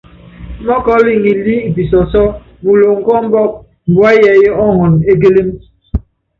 Mɔ́kɔl ŋilí i pisɔsɔ́ muloŋ kɔ ɔmbɔk, mbua yɛɛyɛ́ ɔɔŋɔn e kélém.